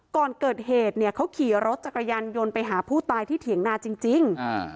ก่อนเกิดเหตุเนี่ยเขาขี่รถจักรยานยนต์ไปหาผู้ตายที่เถียงนาจริง